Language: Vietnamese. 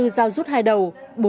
ba mươi bốn dao rút hai đầu